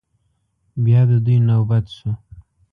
بيا د دوی نوبت شو.